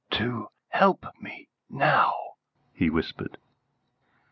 "To help me now?" he whispered.